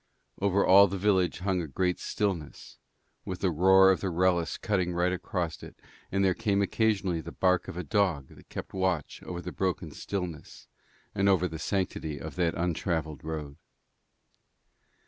Over all the village hung a great stillness, with the roar of the Wrellis cutting right across it, and there came occasionally the bark of a dog that kept watch over the broken stillness and over the sanctity of that untravelled road.